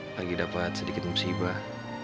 lagi dapat sedikit musibah